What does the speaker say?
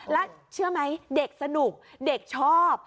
แล้วเชื่อไหมเด็กสนุกเด็กชอบ